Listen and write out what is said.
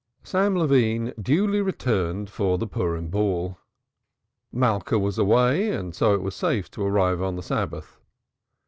Sam Levine duly returned for the Purim ball. Malka was away and so it was safe to arrive on the Sabbath.